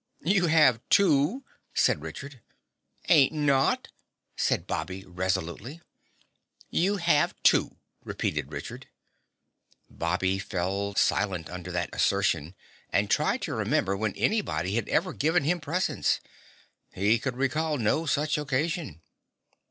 "You have, too," said Richard. "Ain't not," said Bobby resolutely. "You have, too," repeated Richard. Bobby fell silent under that assertion and tried to remember when anybody had ever given him presents. He could recall no such occasion.